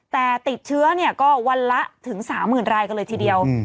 แต่ติดเชื้อก็วันละถึง๓๐๐๐รายกันเลยทีเดียว